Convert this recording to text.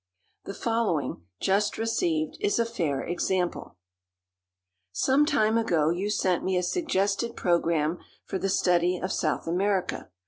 The following, just received, is a fair example: "Some time ago you sent me a suggested program for the study of South America.